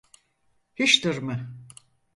Hiç durma…